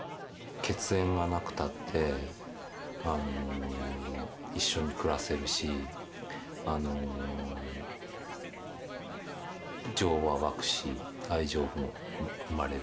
血縁がなくたって、一緒に暮らせるし、情は湧くし、愛情も生まれる。